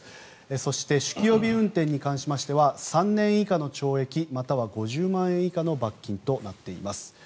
そして、酒気帯び運転に関しては３年以下の懲役または５０万円以下の罰金となっています。